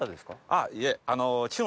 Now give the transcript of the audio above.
あっいえ。